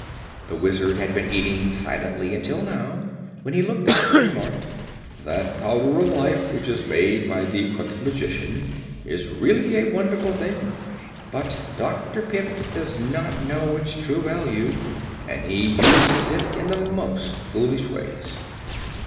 The Wizard had been eating silently until now, when he looked up and remarked: "That Powder of Life which is made by the Crooked Magician is really a wonderful thing. But Dr. Pipt does not know its true value and he uses it in the most foolish ways."